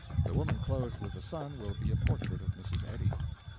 The woman clothed with the sun will be a portrait of Mrs. Eddy.